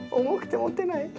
重くて持てない。